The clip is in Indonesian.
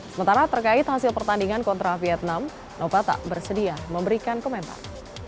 sementara terkait hasil pertandingan kontra vietnam nova tak bersedia memberikan komentar